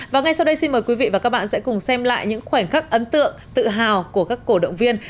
và ngay sau đây xin mời quý vị và các bạn sẽ cùng xem lại những khoảnh khắc ấn tượng tự hào của các cổ động viên